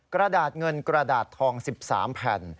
กระดาษเงินกระดาษทอง๑๓แผ่น